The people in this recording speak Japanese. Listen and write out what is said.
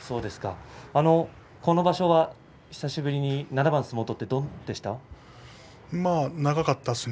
この場所は久しぶりに７番相撲を取って長かったですね。